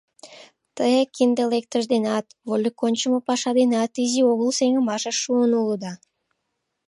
Те кинде лектыш денат, вольык ончымо паша денат изи огыл сеҥымашыш шуын улыда.